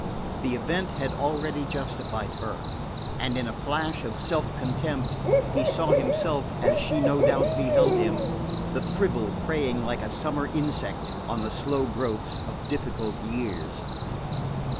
The event had already justified her; and in a flash of self contempt he saw himself as she no doubt beheld him the fribble preying like a summer insect on the slow growths of difficult years...